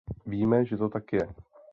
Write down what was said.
Víme, že to tak je.